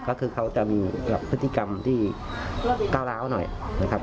ก็คือเขาจะมีพฤติกรรมที่ก้าวร้าวหน่อยนะครับ